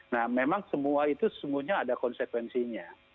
nah memang semua itu sesungguhnya ada konsekuensinya